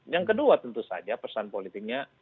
yang kedua tentu saja pesan politiknya